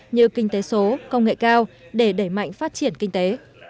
như kinh tế số công nghệ cao để đẩy mạnh phát triển kinh tế